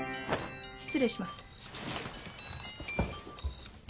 失礼します。